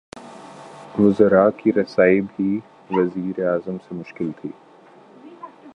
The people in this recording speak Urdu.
وزرا کی رسائی بھی وزیر اعظم سے مشکل تھی۔